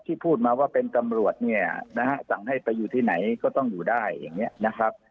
พูดมาว่าเป็นตำรวจเนี่ยนะฮะสั่งให้ไปอยู่ที่ไหนก็ต้องอยู่ได้อย่างนี้นะครับ